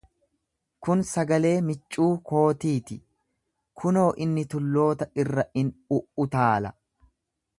Kun sagalee miccuu kootii ti! Kunoo, inni tulloota irra in u'utaala,